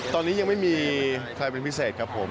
ตอนนี้ยังไม่มีใครเป็นพิเศษครับผม